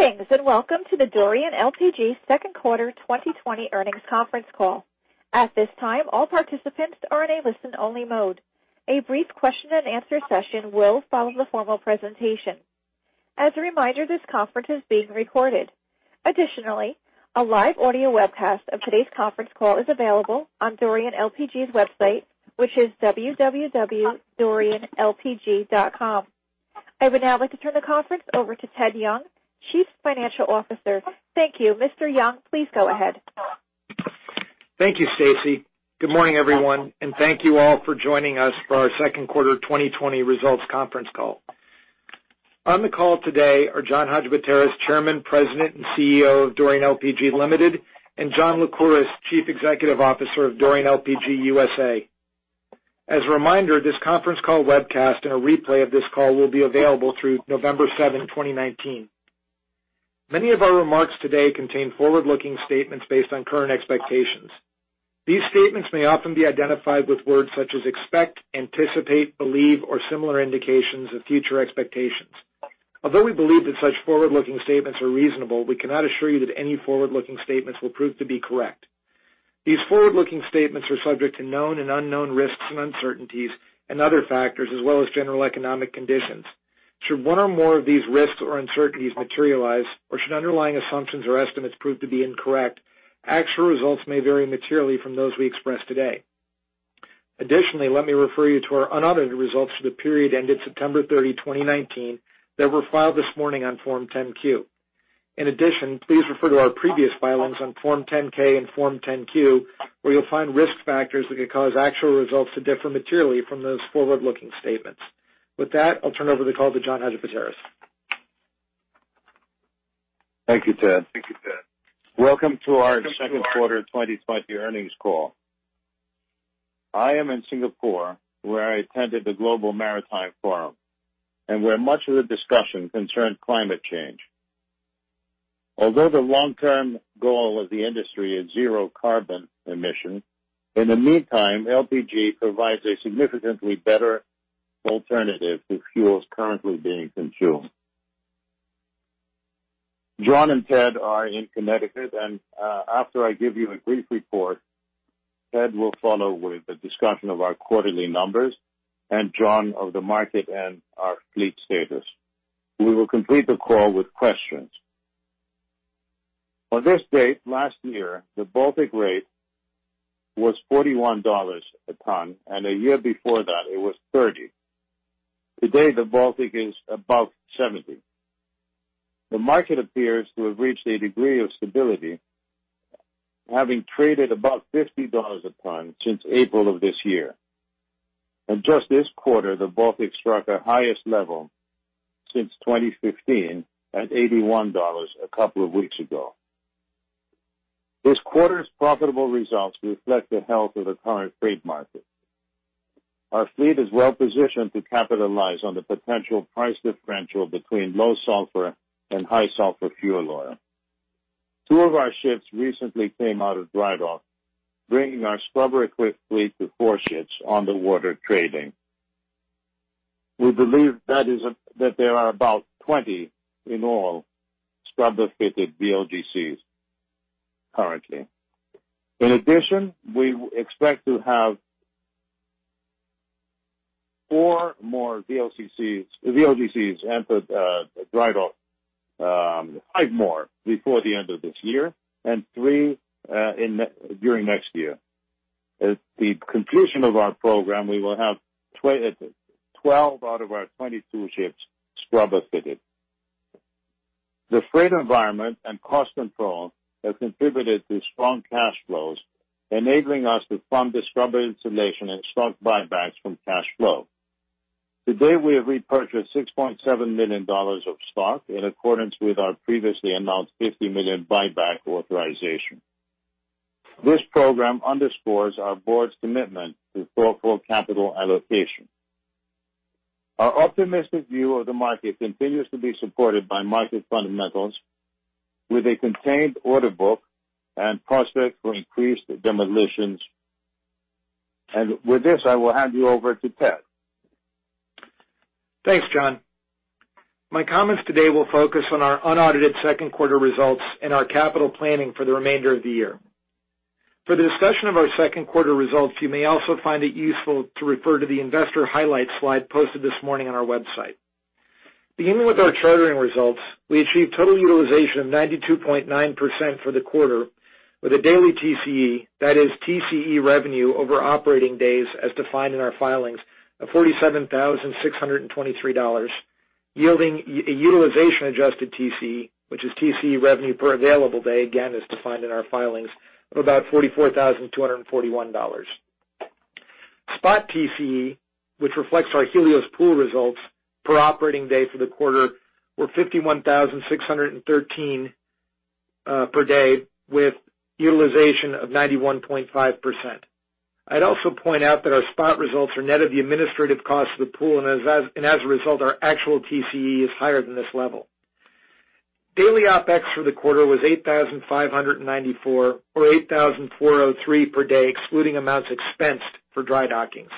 Greetings, and welcome to the Dorian LPG second quarter 2020 earnings conference call. At this time, all participants are in a listen-only mode. A brief question and answer session will follow the formal presentation. As a reminder, this conference is being recorded. Additionally, a live audio webcast of today's conference call is available on Dorian LPG's website, which is www.dorianlpg.com. I would now like to turn the conference over to Theodore Young, Chief Financial Officer. Thank you. Mr. Young, please go ahead. Thank you, Stacy. Good morning, everyone, and thank you all for joining us for our second quarter 2020 results conference call. On the call today are John Hadjipateras, Chairman, President, and CEO of Dorian LPG Ltd., and John Lycouris, Chief Executive Officer of Dorian LPG USA. As a reminder, this conference call webcast and a replay of this call will be available through November seventh, 2019. Many of our remarks today contain forward-looking statements based on current expectations. These statements may often be identified with words such as expect, anticipate, believe, or similar indications of future expectations. Although we believe that such forward-looking statements are reasonable, we cannot assure you that any forward-looking statements will prove to be correct. These forward-looking statements are subject to known and unknown risks and uncertainties, and other factors, as well as general economic conditions. Should one or more of these risks or uncertainties materialize, or should underlying assumptions or estimates prove to be incorrect, actual results may vary materially from those we express today. Additionally, let me refer you to our unaudited results for the period ended September 30, 2019, that were filed this morning on Form 10-Q. In addition, please refer to our previous filings on Form 10-K and Form 10-Q, where you'll find risk factors that could cause actual results to differ materially from those forward-looking statements. With that, I'll turn over the call to John Hadjipateras. Thank you, Ted. Welcome to our second quarter 2020 earnings call. I am in Singapore, where I attended the Global Maritime Forum, and where much of the discussion concerned climate change. Although the long-term goal of the industry is zero carbon emissions, in the meantime, LPG provides a significantly better alternative to fuels currently being consumed. John and Ted are in Connecticut, and after I give you a brief report, Ted will follow with a discussion of our quarterly numbers and John of the market and our fleet status. We will complete the call with questions. On this date last year, the Baltic rate was $41 a ton, and a year before that, it was $30. Today, the Baltic is above $70. The market appears to have reached a degree of stability, having traded above $50 a ton since April of this year. Just this quarter, the Baltic struck a highest level since 2015 at $81 a couple of weeks ago. This quarter's profitable results reflect the health of the current trade market. Our fleet is well positioned to capitalize on the potential price differential between low sulfur and high sulfur fuel oil. Two of our ships recently came out of dry dock, bringing our scrubber-equipped fleet to four ships on the water trading. We believe that there are about 20 in all scrubber-fitted VLGCs currently. In addition, we expect to have four more VLGCs enter dry dock, five more before the end of this year and three during next year. At the conclusion of our program, we will have 12 out of our 22 ships scrubber-fitted. The freight environment and cost control have contributed to strong cash flows, enabling us to fund the scrubber installation and stock buybacks from cash flow. Today, we have repurchased $6.7 million of stock in accordance with our previously announced $50 million buyback authorization. This program underscores our board's commitment to thoughtful capital allocation. Our optimistic view of the market continues to be supported by market fundamentals with a contained order book and prospects for increased demolitions. With this, I will hand you over to Ted. Thanks, John. My comments today will focus on our unaudited second quarter results and our capital planning for the remainder of the year. For the discussion of our second quarter results, you may also find it useful to refer to the investor highlights slide posted this morning on our website. Beginning with our chartering results, we achieved total utilization of 92.9% for the quarter with a daily TCE, that is TCE revenue over operating days as defined in our filings of $47,623, yielding a utilization-adjusted TCE, which is TCE revenue per available day, again, as defined in our filings, of about $44,241. Spot TCE, which reflects our Helios pool results per operating day for the quarter, were $51,613 per day, with utilization of 91.5%. I'd also point out that our spot results are net of the administrative cost of the pool, and as a result, our actual TCE is higher than this level. Daily OpEx for the quarter was $8,594 or $8,403 per day, excluding amounts expensed for dry dockings.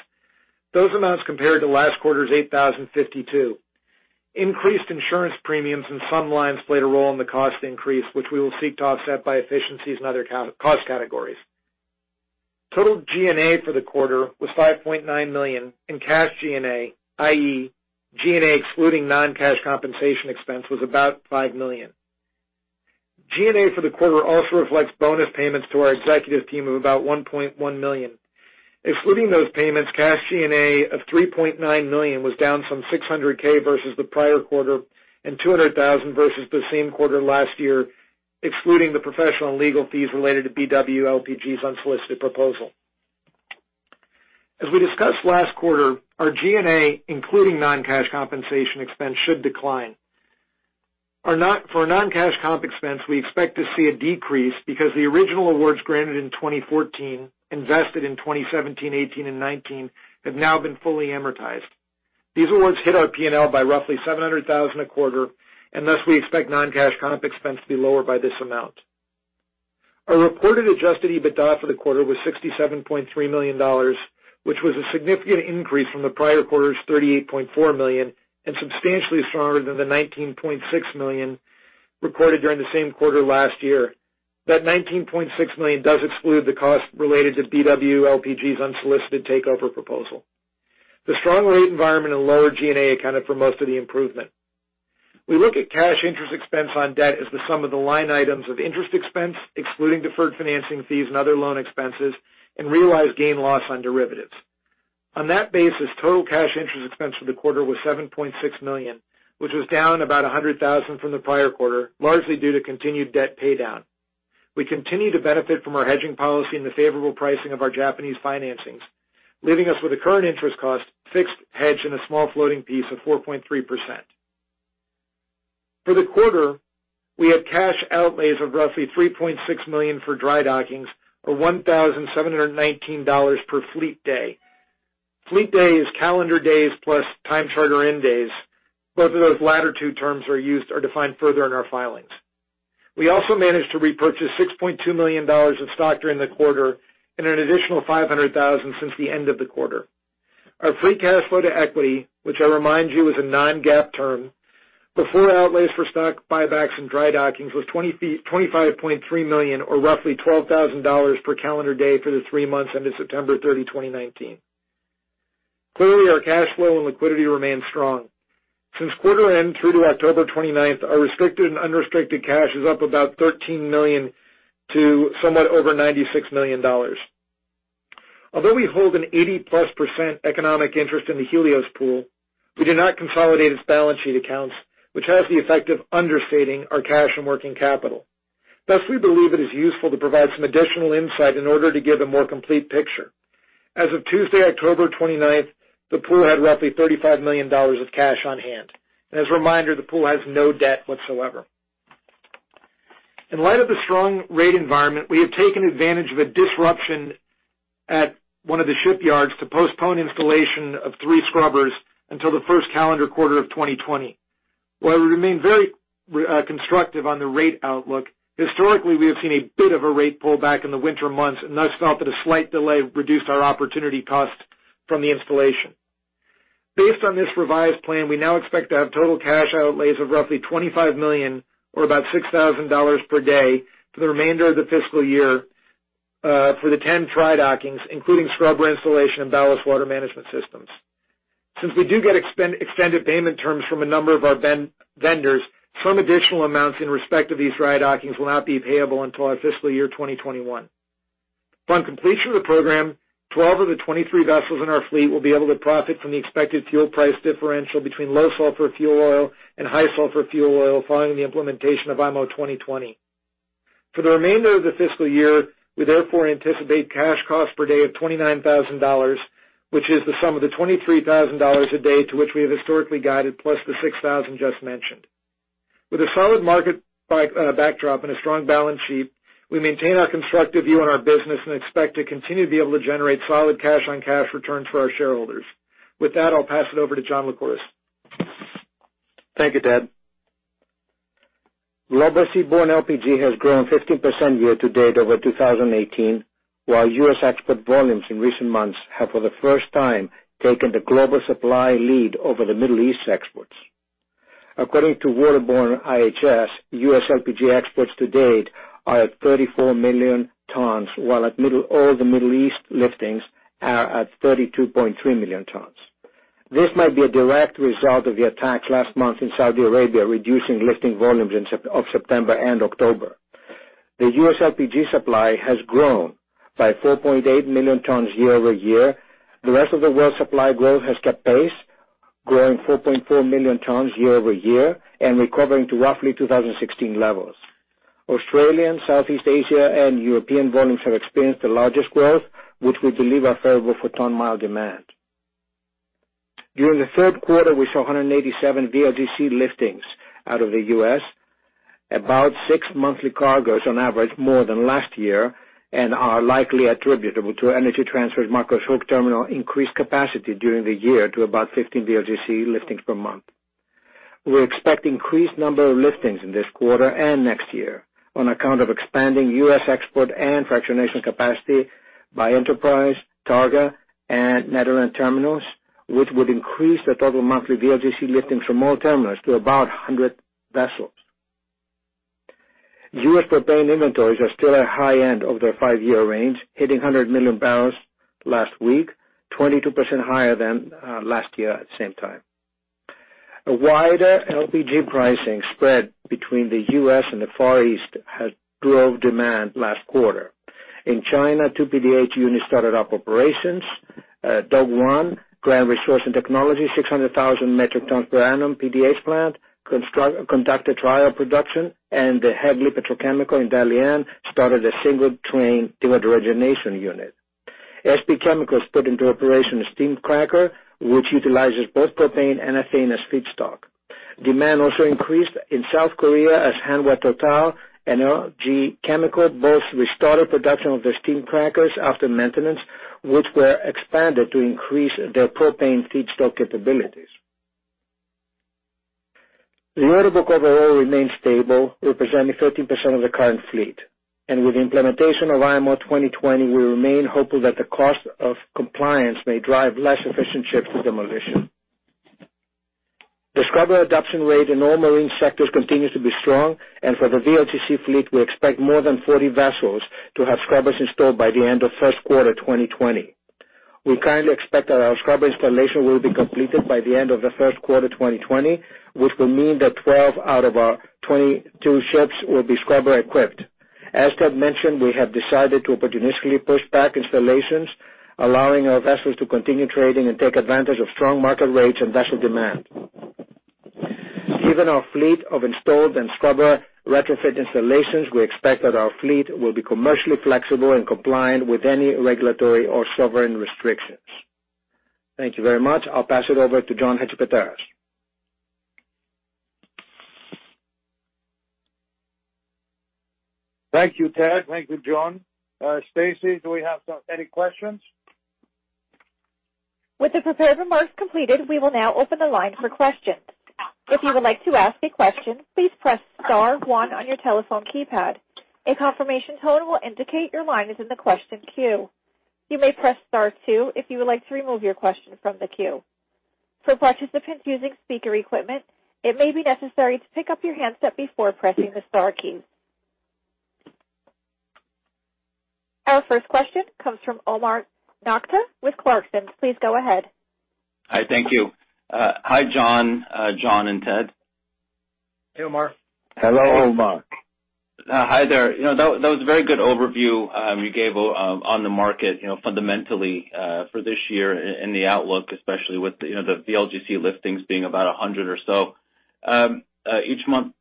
Those amounts compared to last quarter's $8,052. Increased insurance premiums in some lines played a role in the cost increase, which we will seek to offset by efficiencies in other cost categories. Total G&A for the quarter was $5.9 million, and cash G&A, i.e., G&A excluding non-cash compensation expense, was about $5 million. G&A for the quarter also reflects bonus payments to our executive team of about $1.1 million. Excluding those payments, cash G&A of $3.9 million was down from $600,000 versus the prior quarter and $200,000 versus the same quarter last year, excluding the professional and legal fees related to BW LPG's unsolicited proposal. As we discussed last quarter, our G&A, including non-cash compensation expense, should decline. For our non-cash comp expense, we expect to see a decrease because the original awards granted in 2014, invested in 2017, 2018, and 2019, have now been fully amortized. These awards hit our P&L by roughly $700,000 a quarter. Thus, we expect non-cash comp expense to be lower by this amount. Our reported adjusted EBITDA for the quarter was $67.3 million, which was a significant increase from the prior quarter's $38.4 million and substantially stronger than the $19.6 million recorded during the same quarter last year. That $19.6 million does exclude the cost related to BW LPG's unsolicited takeover proposal. The strong rate environment and lower G&A accounted for most of the improvement. We look at cash interest expense on debt as the sum of the line items of interest expense, excluding deferred financing fees and other loan expenses, and realized gain loss on derivatives. On that basis, total cash interest expense for the quarter was $7.6 million, which was down about $100,000 from the prior quarter, largely due to continued debt paydown. We continue to benefit from our hedging policy and the favorable pricing of our Japanese financings, leaving us with a current interest cost fixed hedge and a small floating piece of 4.3%. For the quarter, we had cash outlays of roughly $3.6 million for drydockings or $1,719 per fleet day. Fleet day is calendar days plus time charter in days. Both of those latter two terms are defined further in our filings. We also managed to repurchase $6.2 million of stock during the quarter and an additional 500,000 since the end of the quarter. Our free cash flow to equity, which I remind you is a non-GAAP term, before outlays for stock buybacks and drydockings, was $25.3 million or roughly $12,000 per calendar day for the three months ended September 30, 2019. Clearly, our cash flow and liquidity remain strong. Since quarter end through to October 29th, our restricted and unrestricted cash is up about $13 million to somewhat over $96 million. Although we hold an 80-plus% economic interest in the Helios pool, we do not consolidate its balance sheet accounts, which has the effect of understating our cash and working capital. Thus, we believe it is useful to provide some additional insight in order to give a more complete picture. As of Tuesday, October 29th, the pool had roughly $35 million of cash on hand. As a reminder, the pool has no debt whatsoever. In light of the strong rate environment, we have taken advantage of a disruption at one of the shipyards to postpone installation of three scrubbers until the first calendar quarter of 2020. While we remain very constructive on the rate outlook, historically we have seen a bit of a rate pullback in the winter months and thus felt that a slight delay reduced our opportunity cost from the installation. Based on this revised plan, we now expect to have total cash outlays of roughly $25 million or about $6,000 per day for the remainder of the fiscal year for the 10 drydockings, including scrubber installation and ballast water management systems. Since we do get extended payment terms from a number of our vendors, some additional amounts in respect of these drydockings will not be payable until our fiscal year 2021. Upon completion of the program, 12 of the 23 vessels in our fleet will be able to profit from the expected fuel price differential between low sulfur fuel oil and high sulfur fuel oil following the implementation of IMO 2020. For the remainder of the fiscal year, we therefore anticipate cash cost per day of $29,000, which is the sum of the $23,000 a day to which we have historically guided, plus the $6,000 just mentioned. With a solid market backdrop and a strong balance sheet, we maintain our constructive view on our business and expect to continue to be able to generate solid cash-on-cash returns for our shareholders. With that, I'll pass it over to John Lycouris. Thank you, Ted. Global seaborne LPG has grown 15% year to date over 2018, while U.S. export volumes in recent months have, for the first time, taken the global supply lead over the Middle East exports. According to Waterborne IHS, U.S. LPG exports to date are at 34 million tons, while all the Middle East liftings are at 32.3 million tons. This might be a direct result of the attacks last month in Saudi Arabia, reducing lifting volumes of September and October. The U.S. LPG supply has grown by 4.8 million tons year-over-year. The rest of the world supply growth has kept pace, growing 4.4 million tons year-over-year and recovering to roughly 2016 levels. Australian, Southeast Asia, and European volumes have experienced the largest growth, which we believe are favorable for ton mile demand. During the third quarter, we saw 187 VLGC liftings out of the U.S., about six monthly cargoes on average more than last year, and are likely attributable to Energy Transfer's Marcus Hook terminal increased capacity during the year to about 15 VLGC liftings per month. We expect increased number of liftings in this quarter and next year on account of expanding U.S. export and fractionation capacity by Enterprise, Targa, and Nederland Terminals, which would increase the total monthly VLGC lifting from all terminals to about 100 vessels. U.S. propane inventories are still at high end of their five-year range, hitting 100 million barrels last week, 22% higher than last year at the same time. A wider LPG pricing spread between the U.S. and the Far East has drove demand last quarter. In China, two PDH units started up operations. Dongguan Grand Resource Science and Technology's 600,000 metric tons per annum PDH plant conducted trial production, and Hengli Petrochemical in Dalian started a single-train dehydrogenation unit. SP Chemicals put into operation a steam cracker, which utilizes both propane and ethane as feedstock. Demand also increased in South Korea as Hanwha Total and LG Chem both restarted production of their steam crackers after maintenance, which were expanded to increase their propane feedstock capabilities. The order book overall remains stable, representing 13% of the current fleet. With the implementation of IMO 2020, we remain hopeful that the cost of compliance may drive less efficient ships to demolition. The scrubber adoption rate in all marine sectors continues to be strong, and for the VLGC fleet, we expect more than 40 vessels to have scrubbers installed by the end of first quarter 2020. We currently expect that our scrubber installation will be completed by the end of the first quarter 2020, which will mean that 12 out of our 22 ships will be scrubber-equipped. As Ted mentioned, we have decided to opportunistically push back installations, allowing our vessels to continue trading and take advantage of strong market rates and vessel demand. Given our fleet of installed and scrubber retrofit installations, we expect that our fleet will be commercially flexible and compliant with any regulatory or sovereign restrictions. Thank you very much. I'll pass it over to John Hadjipateras. Thank you, Ted. Thank you, John. Stacy, do we have any questions? With the prepared remarks completed, we will now open the line for questions. If you would like to ask a question, please press star one on your telephone keypad. A confirmation tone will indicate your line is in the question queue. You may press star two if you would like to remove your question from the queue. For participants using speaker equipment, it may be necessary to pick up your handset before pressing the star key. Our first question comes from Omar Nokta with Clarksons. Please go ahead. Hi. Thank you. Hi, John, and Ted. Hey, Omar. Hello, Omar. Hi there. That was a very good overview you gave on the market fundamentally for this year and the outlook, especially with the VLGC liftings being about 100 or so each month.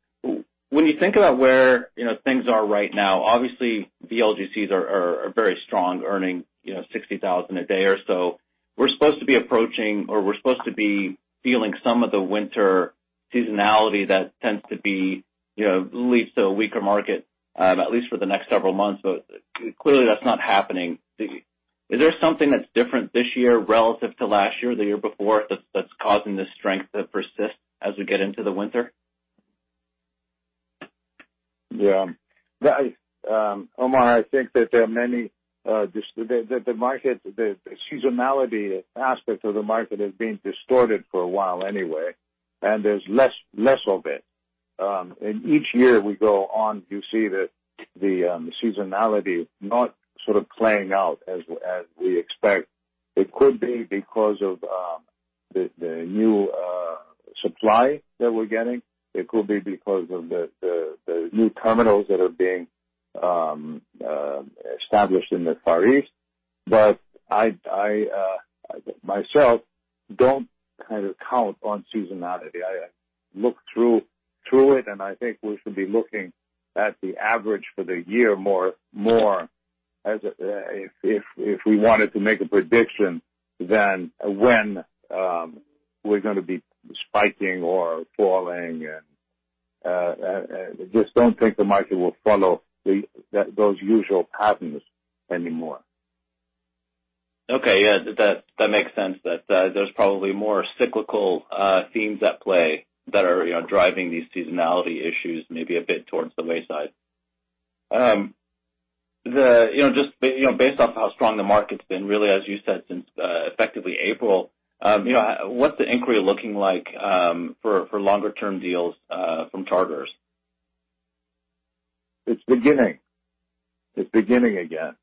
When you think about where things are right now, obviously VLGCs are very strong, earning $60,000 a day or so. We're supposed to be approaching, or we're supposed to be feeling some of the winter seasonality that tends to lead to a weaker market, at least for the next several months. Clearly that's not happening. Is there something that's different this year relative to last year or the year before that's causing this strength to persist as we get into the winter? Yeah. Omar, I think that the seasonality aspect of the market has been distorted for a while anyway, and there's less of it. Each year we go on, you see the seasonality not sort of playing out as we expect. It could be because of the new supply that we're getting. It could be because of the new terminals that are being established in the Far East. I, myself, don't kind of count on seasonality. I look through it, and I think we should be looking at the average for the year more if we wanted to make a prediction than when we're going to be spiking or falling, and I just don't think the market will follow those usual patterns anymore. Okay. Yeah. That makes sense, that there's probably more cyclical themes at play that are driving these seasonality issues maybe a bit towards the wayside. Based off how strong the market's been, really, as you said, since effectively April, what's the inquiry looking like for longer-term deals from charterers? It's beginning. It's beginning again.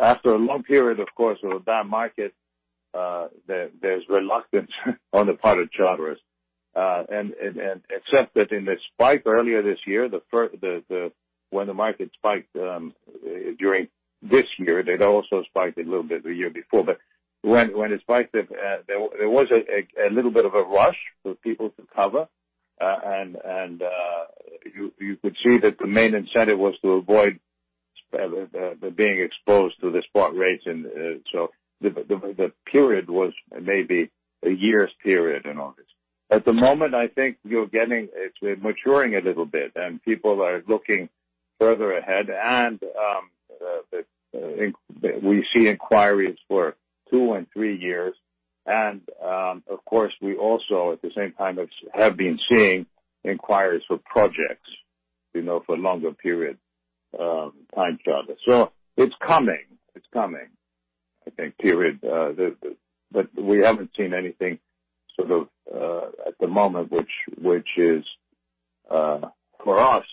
After a long period, of course, of a bad market, there's reluctance on the part of charterers. Except that in the spike earlier this year, when the market spiked during this year, it also spiked a little bit the year before. When it spiked, there was a little bit of a rush for people to cover, and you could see that the main incentive was to avoid being exposed to the spot rates. The period was maybe a year's period in August. At the moment, I think it's maturing a little bit, and people are looking further ahead and that we see inquiries for two and three years. Of course, we also, at the same time, have been seeing inquiries for projects for longer period time charters. It's coming. I think, period. We haven't seen anything sort of at the moment which is, for us,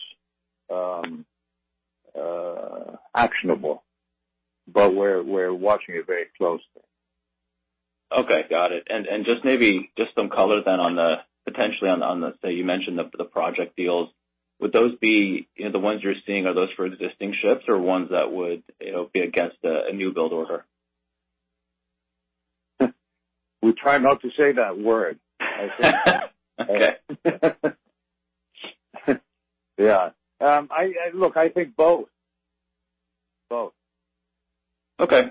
actionable. We're watching it very closely. Okay. Got it. Just maybe just some color then potentially on, say, you mentioned the project deals, would those be the ones you're seeing, are those for existing ships or ones that would be against a new build order? We try not to say that word, I think. Okay. Yeah. Look, I think both. Okay.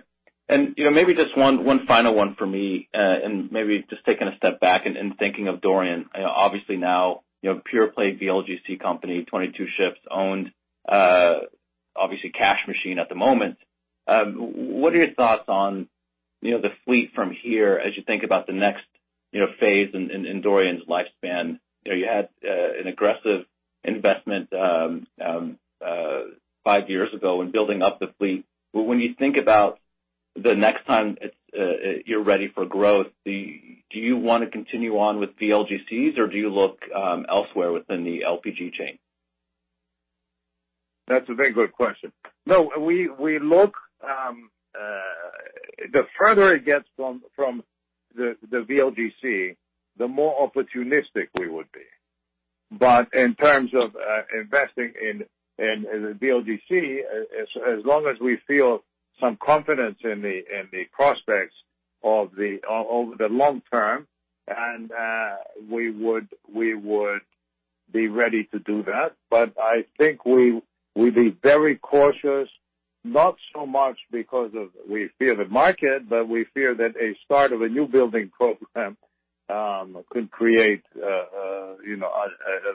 Maybe just one final one for me, and maybe just taking a step back and thinking of Dorian, obviously now, pure-play VLGC company, 22 ships owned, obviously cash machine at the moment. What are your thoughts on the fleet from here as you think about the next phase in Dorian's lifespan? You had an aggressive investment five years ago in building up the fleet. When you think about the next time you're ready for growth, do you want to continue on with VLGCs or do you look elsewhere within the LPG chain? That's a very good question. No, the further it gets from the VLGC, the more opportunistic we would be. In terms of investing in the VLGC, as long as we feel some confidence in the prospects over the long term, and we would be ready to do that. I think we'll be very cautious, not so much because of we fear the market, but we fear that a start of a new building program could create a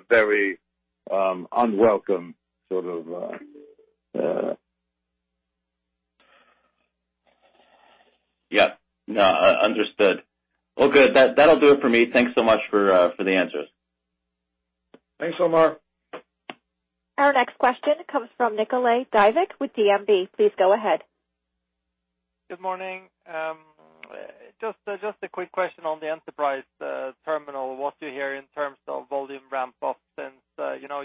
very unwelcome sort of Yeah. No. Understood. Well, good. That'll do it for me. Thanks so much for the answers. Thanks, Omar. Our next question comes from Nicolai Dyvik with DNB. Please go ahead. Good morning. Just a quick question on the Enterprise terminal. What do you hear in terms of volume ramp-up since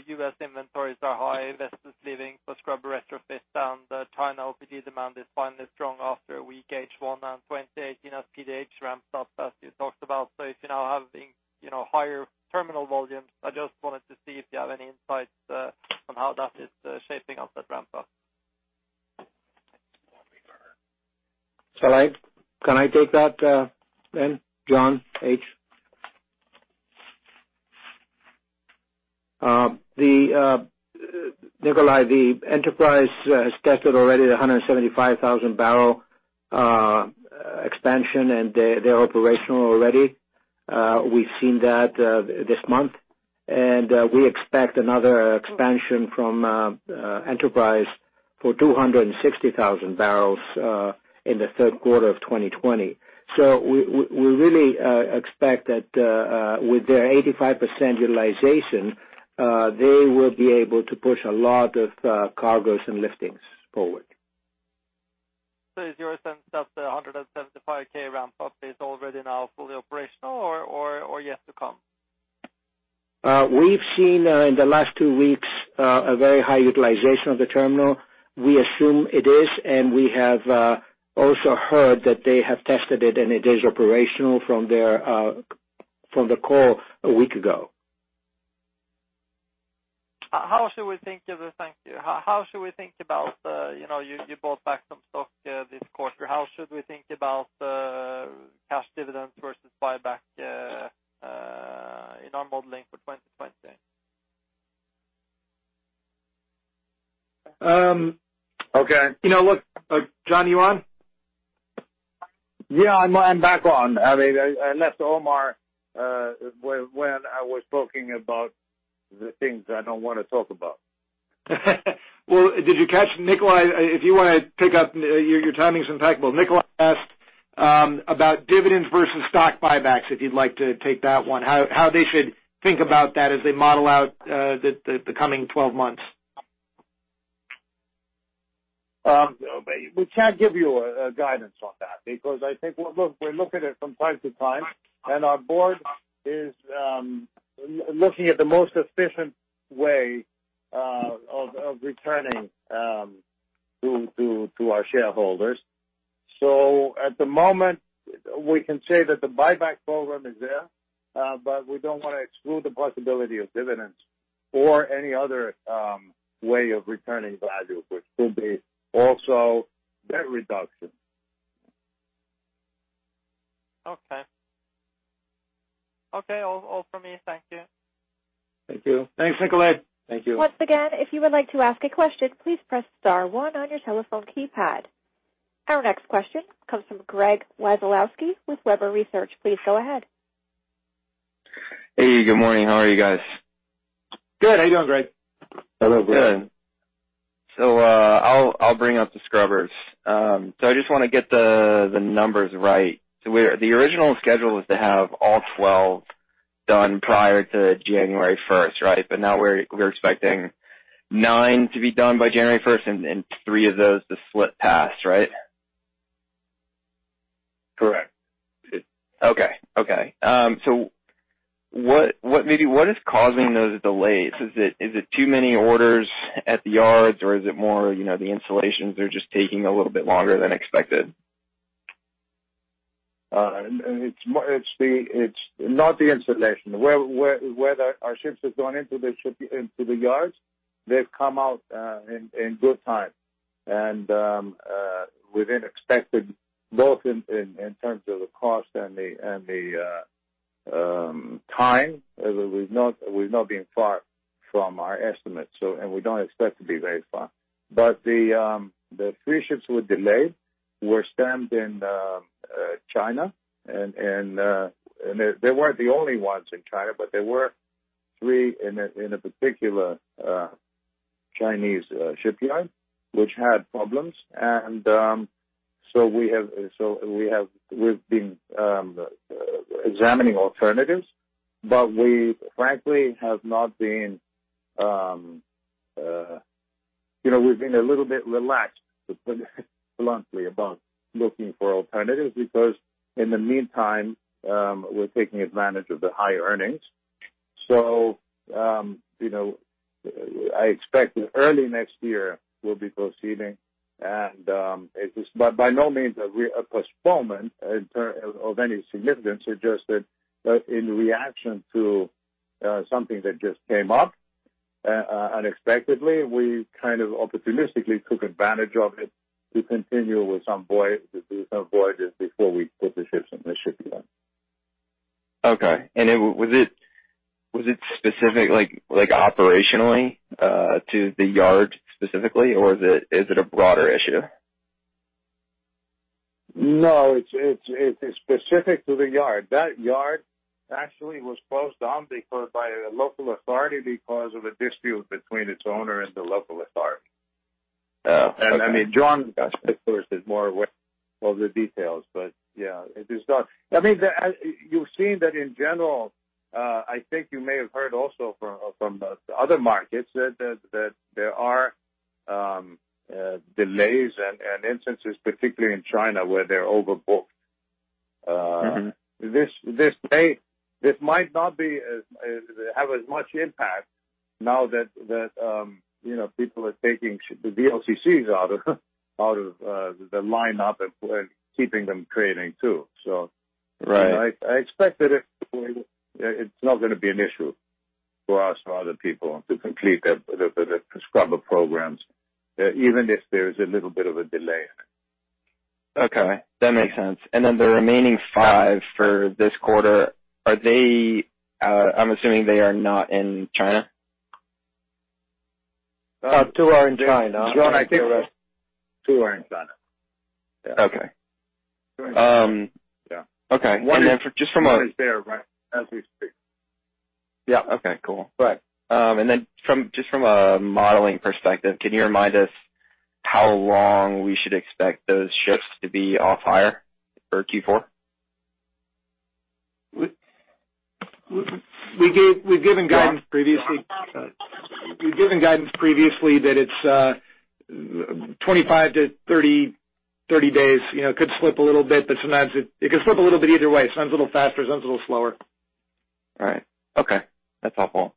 U.S. inventories are high, investors leaving for scrubber retrofit and the China LPG demand is finally strong after a weak H1 and 2018 as PDH ramps up, as you talked about. If you're now having higher terminal volumes, I just wanted to see if you have any insights on how that is shaping up, that ramp-up. Can I take that then, John H.? Nicolai, the Enterprise has tested already 175,000-barrel expansion and they're operational already. We've seen that this month. We expect another expansion from Enterprise for 260,000 barrels in the third quarter of 2020. We really expect that with their 85% utilization, they will be able to push a lot of cargoes and liftings forward. Is your sense that the 175,000 ramp-up is already now fully operational or yet to come? We've seen in the last two weeks a very high utilization of the terminal. We assume it is, and we have also heard that they have tested it and it is operational from the call a week ago. Thank you. You bought back some stock this quarter. How should we think about cash dividends versus buyback in our modeling for 2020? Okay. You know what? John, you on? Yeah, I'm back on. I left, Omar, when I was talking about the things I don't want to talk about. Well, did you catch Nicolai? If you want to pick up, your timing's impeccable. Nicolai asked about dividends versus stock buybacks, if you'd like to take that one, how they should think about that as they model out the coming 12 months. We can't give you a guidance on that because I think we look at it from time to time, and our board is looking at the most efficient way of returning to our shareholders. At the moment, we can say that the buyback program is there, but we don't want to exclude the possibility of dividends or any other way of returning value, which could be also debt reduction. Okay. All from me. Thank you. Thank you. Thanks, Nicolai. Thank you. Once again, if you would like to ask a question, please press star one on your telephone keypad. Our next question comes from Gregory Waszolek with Weber Research. Please go ahead. Hey, good morning. How are you guys? Good. How you doing, Greg? Hello, Greg. Good. I'll bring up the scrubbers. I just want to get the numbers right. The original schedule was to have all 12 done prior to January 1st, right? Now we're expecting nine to be done by January 1st and three of those to slip past, right? Correct. Okay. Maybe what is causing those delays? Is it too many orders at the yards or is it more the installations are just taking a little bit longer than expected? It's not the installation. Whether our ships have gone into the yards, they've come out in good time and within expected, both in terms of the cost and the time. We've not been far from our estimates, and we don't expect to be very far. The three ships who were delayed were stemmed in China and they weren't the only ones in China, but there were three in a particular Chinese shipyard which had problems and so we've been examining alternatives. We frankly have been a little bit relaxed, bluntly, about looking for alternatives because in the meantime, we're taking advantage of the high earnings. I expect early next year we'll be proceeding and it is by no means a postponement in terms of any significance, it's just that in reaction to something that just came up unexpectedly, we kind of opportunistically took advantage of it to continue with some voyages before we put the ships in the shipyard. Okay. Was it specific operationally to the yard specifically or is it a broader issue? No, it's specific to the yard. That yard actually was closed down by a local authority because of a dispute between its owner and the local authority. Oh, okay. John, of course, is more aware of the details, but yeah, You've seen that in general, I think you may have heard also from the other markets, that there are delays and instances, particularly in China, where they're overbooked. This might not have as much impact now that people are taking the VLCCs out of the lineup and keeping them trading, too. Right. I expect that it's not going to be an issue for us or other people to complete the scrubber programs, even if there is a little bit of a delay. Okay, that makes sense. The remaining five for this quarter, I'm assuming they are not in China? Two are in China. John, I think two are in China. Okay. Yeah. Okay. One is there right as we speak. Yeah. Okay, cool. Right. Just from a modeling perspective, can you remind us how long we should expect those ships to be off hire for Q4? We've given guidance previously. We've given guidance previously that it's 25-30 days. Could slip a little bit, but sometimes it could slip a little bit either way. Sometimes a little faster, sometimes a little slower. Right. Okay. That's helpful.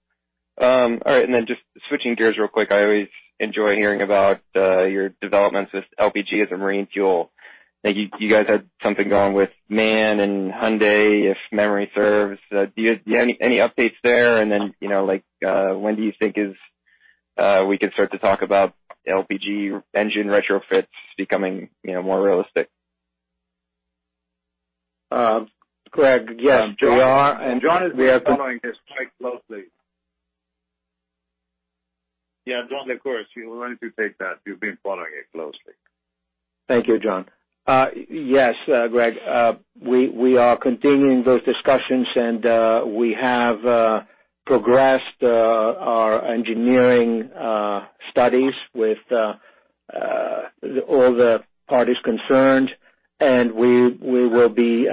All right, just switching gears real quick, I always enjoy hearing about your developments with LPG as a marine fuel. I think you guys had something going with MAN and Hyundai, if memory serves. Do you have any updates there? When do you think we could start to talk about LPG engine retrofits becoming more realistic? Greg, yes, we are. John is following this quite closely. Yeah, John, of course. Why don't you take that? You've been following it closely. Thank you, John. Yes, Greg, we are continuing those discussions. We have progressed our engineering studies with all the parties concerned. We will be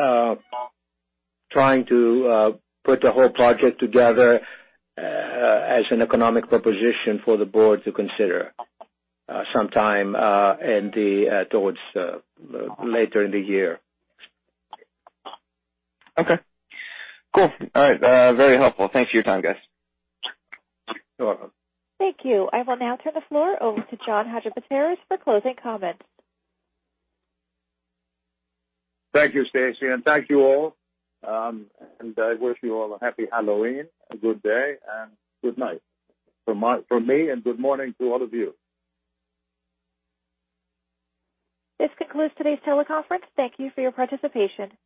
trying to put the whole project together as an economic proposition for the board to consider sometime towards later in the year. Okay. Cool. All right. Very helpful. Thanks for your time, guys. You're welcome. Thank you. I will now turn the floor over to John Hadjipateras for closing comments. Thank you, Stacy, and thank you all. I wish you all a happy Halloween, a good day, and good night from me, and good morning to all of you. This concludes today's teleconference. Thank you for your participation.